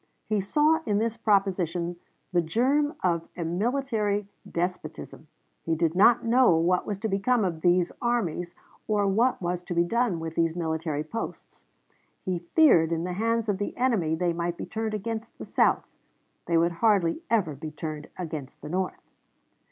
He saw in this proposition the germ of a military despotism. He did not know what was to become of these armies, or what was to be done with these military posts. He feared in the hands of the enemy they might be turned against the South; they would hardly ever be turned against the North. "Globe," Dec. 10, 1860, pp.